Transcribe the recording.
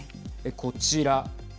こちら。